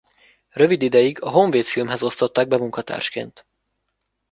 Rövid ideig a Honvéd filmhez osztották be munkatársként.